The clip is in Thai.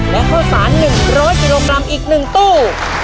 และเคราะห์สาร๑๐๐กิโลกรัมอีกหนึ่งตู้